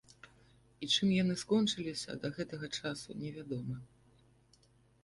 І чым яны скончыліся да гэтага часу не вядома.